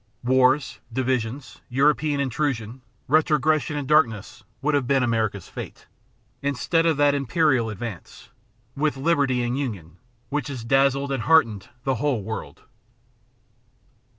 Wars, divisions, European intrusion, retrogression and darkness would have been America's fate, instead of that imperial advance, with liberty and union, which has dazzled and heartened the whole world.